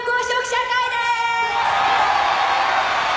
社会でーす！